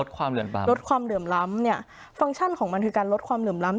ความเหลื่อมล้ำลดความเหลื่อมล้ำเนี่ยฟังก์ชั่นของมันคือการลดความเหลื่อมล้ำ